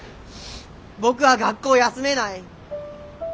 僕は学校休めない。